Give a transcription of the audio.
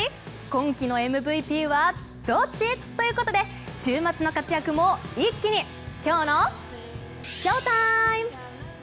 今季のＭＶＰはどっち？ということで週末の活躍も一気にきょうのＳＨＯＴＩＭＥ！